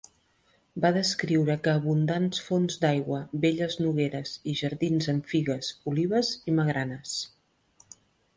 Va descriure que abundants fonts d'aigua, belles nogueres i jardins amb figues, olives i magranes.